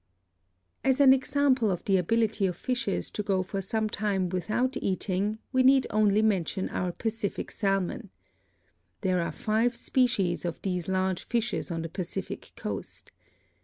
As an example of the ability of fishes to go for some time without eating, we need only mention our Pacific salmon. There are five species of these large fishes on the Pacific coast.